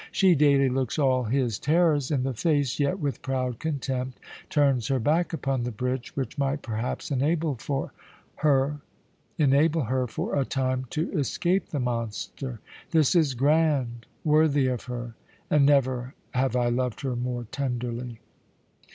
She daily looks all his terrors in the face, yet with proud contempt turns her back upon the bridge which might perhaps enable her for a time to escape the monster. This is grand, worthy of her, and never have I loved her more tenderly.